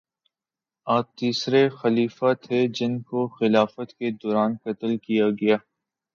آپ تیسرے خلیفہ تھے جن کو خلافت کے دوران قتل کیا گیا